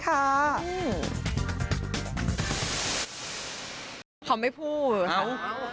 เขาไม่พูด